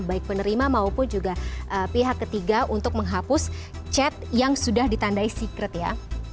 baik penerima maupun juga pihak ketiga untuk menghapus chat yang sudah ditandai secret ya